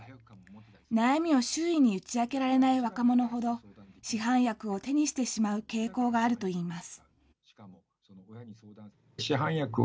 悩みを周囲に打ち明けられない若者ほど、市販薬を手にしてしまう傾向があるといいます。